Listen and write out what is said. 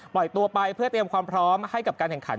ตัวไปเพื่อเตรียมความพร้อมให้กับการแข่งขัน